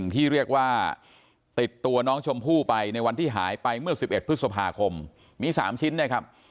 ที่เรียกว่าติดตัวน้องชมพู่ไปในวันที่หายไปเมื่อ๑๑พฤษภาคมมี๓ชิ้นนะครับ